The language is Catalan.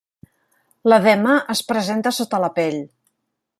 L'edema es presenta sota la pell.